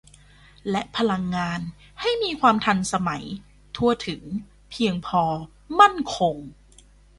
และพลังงานให้มีความทันสมัย ทั่วถึง เพียงพอ มั่นคง